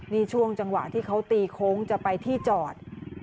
นี่ช่วงจังหวะที่เขาตีโค้งจะไปที่จอด